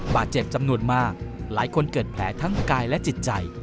บาดเจ็บจำนวนมากหลายคนเกิดแผลทั้งกายและจิตใจ